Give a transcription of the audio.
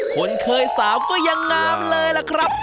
คนเคยสาวก็ยังงามเลยล่ะครับ